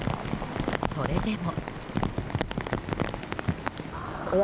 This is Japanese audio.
それでも。